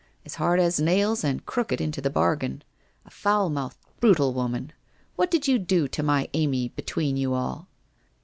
As hard as nails, and crooked into the bargain. A foul mouthed, brutal woman! What did you do to my Amy between you all